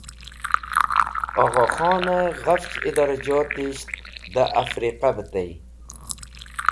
Agha khan e Ghafch Idorajotisht de Afriqa be tey.